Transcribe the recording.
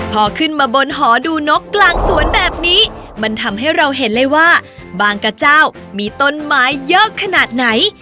พอขึ้นมาบนหอดูนกกลางสวนแบบนี้มันทำให้เราเห็นเลยว่าบางกระเจ้ามีต้นไม้เยอะขนาดไหน